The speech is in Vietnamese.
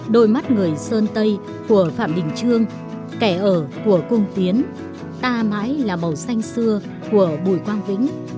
đôi mắt người sơn tây của phạm đình trương kẻ ở của cung tiến ta mãi là màu xanh xưa của bùi quang vĩnh